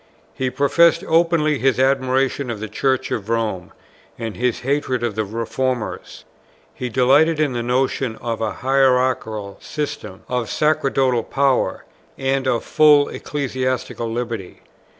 He professed openly his admiration of the Church of Rome, and his hatred of the Reformers. He delighted in the notion of an hierarchical system, of sacerdotal power, and of full ecclesiastical liberty.